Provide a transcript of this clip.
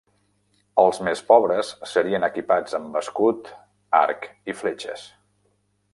Els més pobres serien equipats amb escut, arc i fletxes.